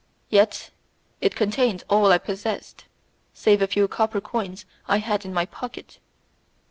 Yet it contained all I possessed, save a few copper coins I had in my pocket.